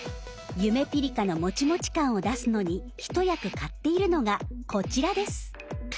ゆめぴりかのモチモチ感を出すのに一役買っているのがこちらです。